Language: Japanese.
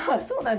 そう。